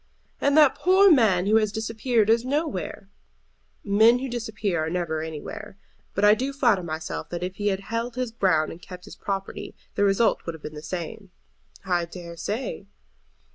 "And that poor man who has disappeared is nowhere." "Men who disappear never are anywhere. But I do flatter myself that if he had held his ground and kept his property the result would have been the same." "I dare say."